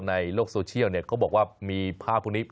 ในโลกโซเชียลเขาบอกว่ามีภาพพวกนี้